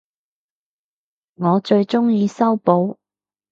我最鍾意修補